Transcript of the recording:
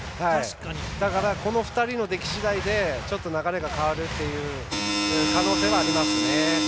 だから、この２人の出来しだいで流れが変わるという可能性はありますね。